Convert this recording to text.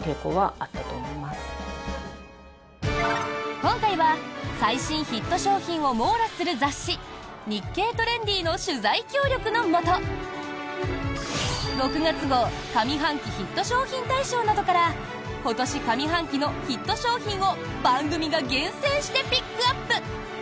今回は最新ヒット商品を網羅する雑誌「日経トレンディ」の取材協力のもと６月号上半期ヒット商品大賞などから今年上半期のヒット商品を番組が厳選してピックアップ！